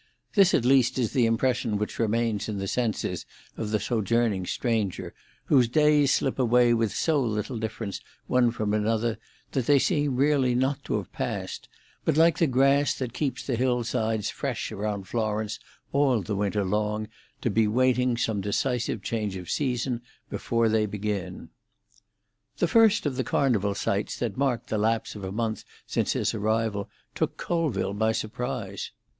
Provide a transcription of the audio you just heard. This at least is the impression which remains in the senses of the sojourning stranger, whose days slip away with so little difference one from another that they seem really not to have passed, but, like the grass that keeps the hillsides fresh round Florence all the winter long, to be waiting some decisive change of season before they begin. The first of the Carnival sights that marked the lapse of a month since his arrival took Colville by surprise.